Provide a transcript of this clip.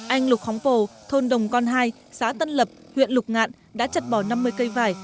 anh lục khóng bồ thôn đồng con hai xã tân lập huyện lục ngạn đã chặt bỏ năm mươi cây vải